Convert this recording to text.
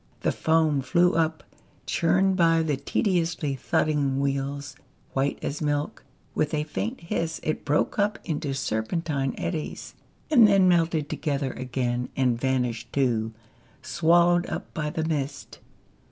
The foam flew up, churned by the tediously thudding wheels ; white as milk, with a faint hiss it broke up into serpentine eddies, and then melted together again and vanished too, swallowed up by the mist.